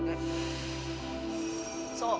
「そう！」